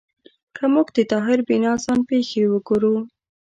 که موږ د طاهر بینا ځان پېښې وګورو